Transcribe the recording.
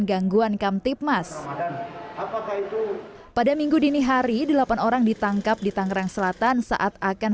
gangguan kamtipmas pada minggu dini hari delapan orang ditangkap di tangerang selatan saat akan